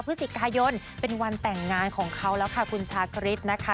พฤศจิกายนเป็นวันแต่งงานของเขาแล้วค่ะคุณชาคริสนะคะ